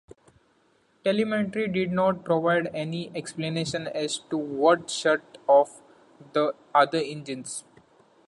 Telemetry did not provide any explanation as to what shut off the other engines.